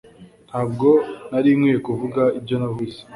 Ntabwo nari nkwiye kuvuga ibyo navuze